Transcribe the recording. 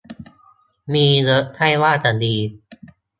มีเยอะใช่ว่าจะดี